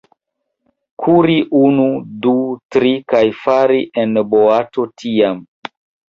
Kuri unu, du, tri, kaj fari en boato tiam.